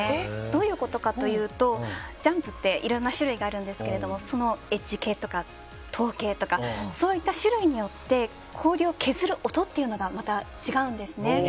どういうことかというとジャンプっていろんな種類があるんですけどもそのエッジ系とかトウ系とかそういった種類によって氷を削る音っていうのがまた違うんですね。